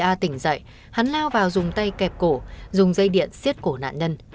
chị hia tỉnh dậy hắn lao vào dùng tay kẹp cổ dùng dây điện xiết cổ nạn nhân